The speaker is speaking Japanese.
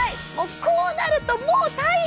こうなるともう大変！